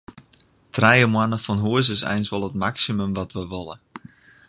Trije moanne fan hûs is eins wol it maksimum wat wy wolle.